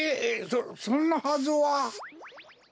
そそんなはずは。